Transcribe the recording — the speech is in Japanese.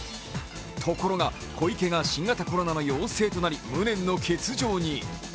ところが小池が新型コロナの陽性となり無念の欠場に。